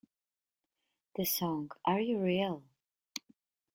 The song Are You Real?